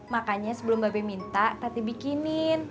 makanya sebelum babe minta tadi bikinin